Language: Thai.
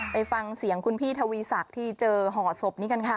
ไปฟังเสียงคุณพี่ทวีศักดิ์ที่เจอห่อศพนี้กันค่ะ